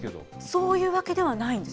そういうわけではないんです。